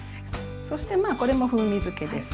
そしてまあこれも風味づけです